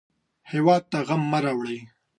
هېواد ته غم مه راوړئ